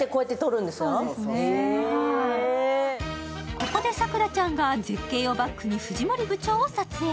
ここで咲楽ちゃんが絶景をバックに藤森部長を撮影。